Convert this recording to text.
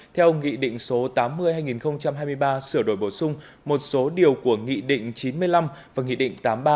theo nghị định số tám mươi hai nghìn hai mươi ba sửa đổi bổ sung một số điều của nghị định chín mươi năm và nghị định tám mươi ba